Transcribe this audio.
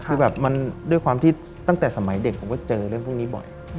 คือแบบมันด้วยความที่ตั้งแต่สมัยเด็กผมก็เจอเรื่องพวกนี้บ่อย